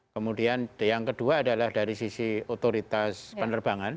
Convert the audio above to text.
kemudian yang kedua adalah dari sisi otoritas penerbangan